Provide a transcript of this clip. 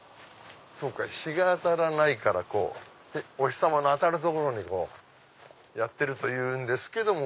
そうか日が当たらないからお日さまの当たる所にやってるというんですけども。